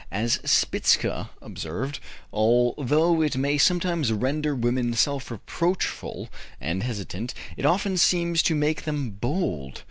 As Spitzka observed, although it may sometimes render women self reproachful and hesitant, it often seems to make them bold.